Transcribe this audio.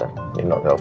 dateng nih not beberapa